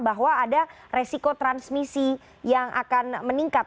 bahwa ada resiko transmisi yang akan meningkat